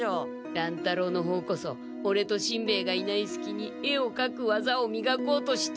乱太郎の方こそオレとしんべヱがいないすきに絵をかくわざをみがこうとして。